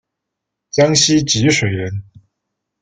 江西吉水人。